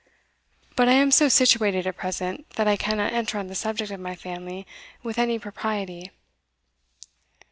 But I am so situated at present, that I cannot enter on the subject of my family with any propriety."